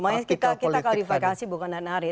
makanya kita kalifikasi bukan narik narik